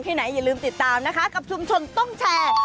ไหนอย่าลืมติดตามนะคะกับชุมชนต้องแชร์